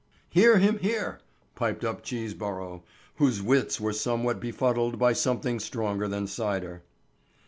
"Hear him here!" piped up Cheeseborough, whose wits were somewhat befuddled by something stronger than cider.